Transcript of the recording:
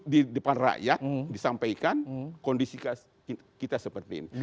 di depan rakyat disampaikan kondisi kita seperti ini